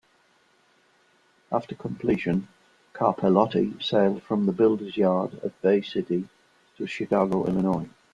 After completion, "Carpellotti" sailed from the builder's yard at Bay City to Chicago, Illinois.